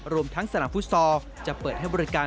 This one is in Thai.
รวมทั้งสนามฟุตซอลจะเปิดให้บริการ